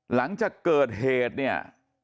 หลังจากเกิดเหตุเนี่ย